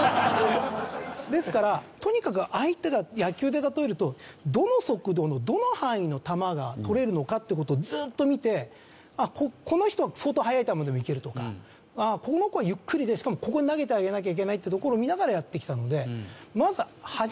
ですからとにかく相手が野球で例えるとどの速度のどの範囲の球が取れるのかっていう事をずーっと見てこの人は相当速い球でもいけるとかこの子はゆっくりでしかもここに投げてあげなきゃいけないってところを見ながらやってきたので。